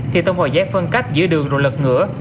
thì tông vào giấy phân cách giữa đường rồi lật ngửa